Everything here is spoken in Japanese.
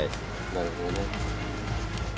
なるほどね。